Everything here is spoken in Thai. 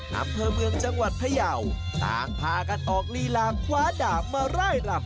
ทำเพิงจังหวัดพยาวตั้งพากันออกลีลาควาดากมาไล่ร่ำ